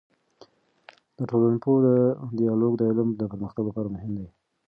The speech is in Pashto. د ټولنپوه ديالوګ د علم د پرمختګ لپاره مهم دی.